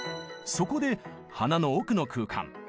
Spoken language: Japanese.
そこで鼻の奥の空間